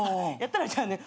じゃあね